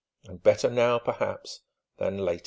And better now, perhaps, than later....